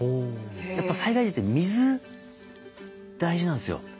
やっぱ災害時って水大事なんですよ。